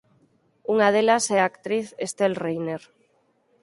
Unha delas é a actriz Estelle Reiner.